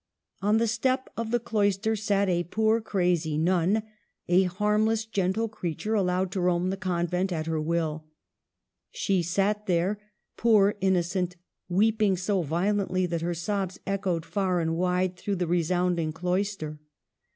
On the step of the cloister sat a poor crazy nun, a harmless, gentle creature allowed to roam the convent at her w411. She sat there, poor innocent, weep ing so violently that her sobs echoed far and wide through the resounding cloister.